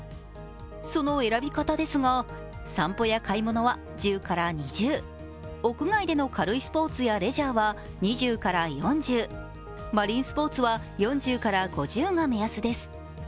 その選び方ですが、散歩や買い物は１０から２０屋外での軽いスポーツやレジャーは２０から４０、マリンスポーツは４０から５０が目安です。